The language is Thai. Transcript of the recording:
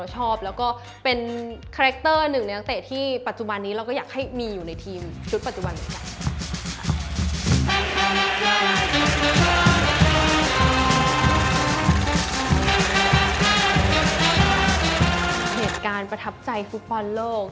เหตุการณ์ประทับใจฟุตบอลโลก